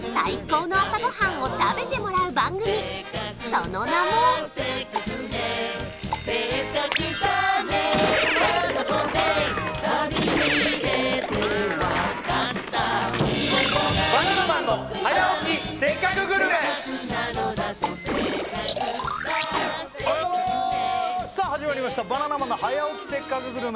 その名もおはようございますおはようございますさあ始まりました「バナナマンの早起きせっかくグルメ！！」